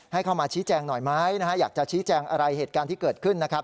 ให้เข้ามาชี้แจงหน่อยไหมนะฮะอยากจะชี้แจงอะไรเหตุการณ์ที่เกิดขึ้นนะครับ